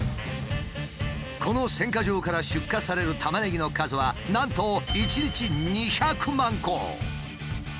この選果場から出荷されるタマネギの数はなんと１日２００万個！